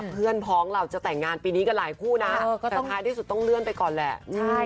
พ้องเราจะแต่งงานปีนี้กันหลายคู่นะแต่ท้ายที่สุดต้องเลื่อนไปก่อนแหละ